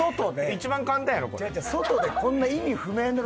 一番簡単やろ。